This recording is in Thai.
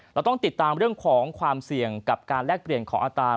เราต้องติดตามเรื่องของความเสี่ยงกับการแลกเปลี่ยนของอัตรา